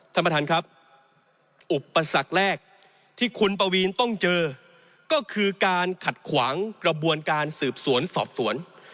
ท่านประธานครับอุปสรรคแรกที่คุณปวีนต้องเจอก็คือการขัดขวางกระบวนการสืบสวนสอบสวน